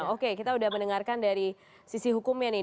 oke kita sudah mendengarkan dari sisi hukumnya nih